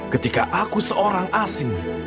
ketika aku seorang asing